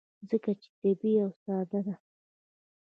ځکه چې طبیعي او ساده ده.